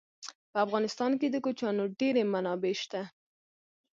په افغانستان کې د کوچیانو ډېرې منابع شته.